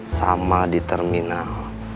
sama di terminal